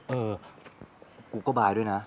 เออกูก็บายด้วยนะ